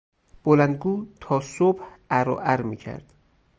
بلندگو تا صبح عر و عر میکرد.